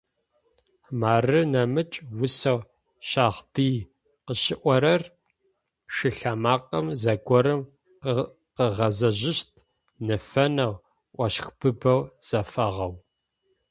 Мары нэмыкӏ усэу «Щагъдый» къыщиӏорэр: «Шылъэмакъэм зэгорэм къыгъэзэжьыщт, Нэфынэу, ощхбыбэу, зэфагъэу.».